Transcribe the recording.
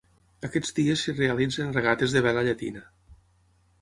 Aquests dies s'hi realitzen regates de vela llatina.